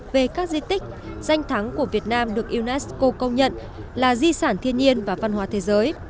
về các di tích danh thắng của việt nam được unesco công nhận là di sản thiên nhiên và văn hóa thế giới